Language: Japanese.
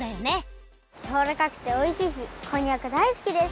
やわらかくておいしいしこんにゃくだいすきです。